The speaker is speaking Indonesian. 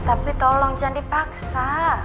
tapi tolong jangan dipaksa